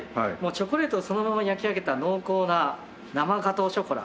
チョコレートをそのまま焼き上げた濃厚な生ガトーショコラ。